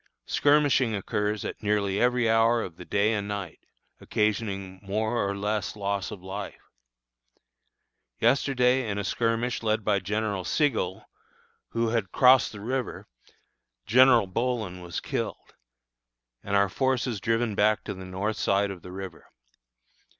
Skirmishing occurs at nearly every hour of the day and night, occasioning more or less loss of life. Yesterday in a skirmish led by General Sigel, who had crossed the river, General Bohlen was killed, and our forces driven back to the north side of the river.